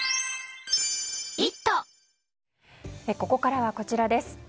ここからは、こちらです。